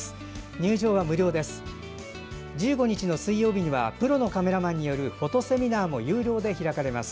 入場は無料です。